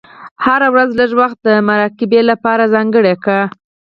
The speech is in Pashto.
هره ورځ لږ وخت د مراقبې لپاره ځانګړی کړه.